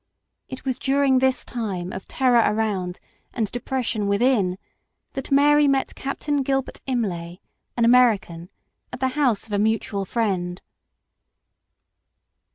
It was during this time of terror around and depression within that Mary met Captain Gilbert Imlay, an American, at the house of a mutual friend.